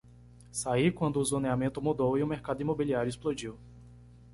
Saí quando o zoneamento mudou e o mercado imobiliário explodiu.